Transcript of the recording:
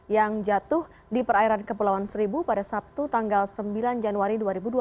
yang jatuh di perairan kepulauan seribu pada sabtu tanggal sembilan januari dua ribu dua puluh